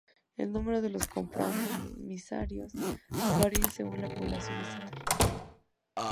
El número de los compromisarios varía según la población estatal.